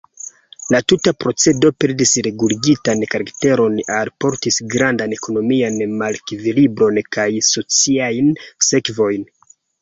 La tuta procedo perdis reguligitan karakteron, alportis grandan ekonomian malekvilibron kaj sociajn sekvojn.